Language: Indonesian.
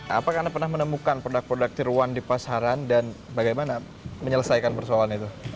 apa karena pernah menemukan produk produk tiruan di pasaran dan bagaimana menyelesaikan persoalannya itu